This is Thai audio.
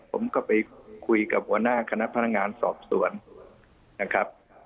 ผมก็ไปคุยกับหัวหน้าคณะพนักงานสอบสวนนะครับ